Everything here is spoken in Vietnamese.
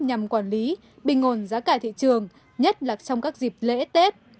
nhằm quản lý bình ổn giá cả thị trường nhất là trong các dịp lễ tết